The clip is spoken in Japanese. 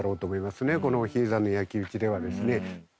この比叡山の焼き討ちではですね。